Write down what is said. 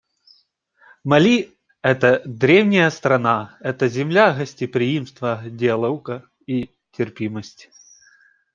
Мали — это древняя страна, это земля гостеприимства, диалога и терпимости.